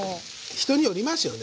人によりますよねだから。